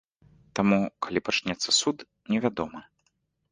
Таму калі пачнецца суд, невядома.